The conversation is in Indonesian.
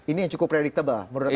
ini yang cukup predictable menurut anda